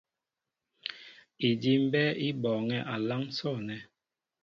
Idí' mbɛ́ɛ́ í bɔɔŋɛ́ a láŋ sɔ̂nɛ́.